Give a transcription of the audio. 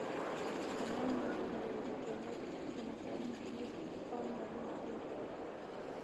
د بنین متل وایي له جامو د پوښتنه کوونکي حال معلوم کړئ.